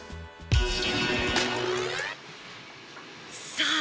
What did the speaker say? さあ